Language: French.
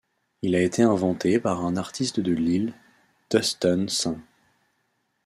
Il a été inventé par un artiste de l'île, Dunstan St.